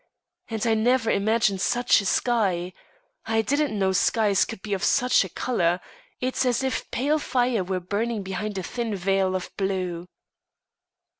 And I never imagined such a sky. I didn't know skies could be of such a colour. It's as if pale fire were burning behind a thin veil of blue."